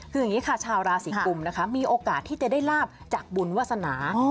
คืออย่างนี้ค่ะชาวราศีกุมนะคะมีโอกาสที่จะได้ลาบจากบุญวาสนา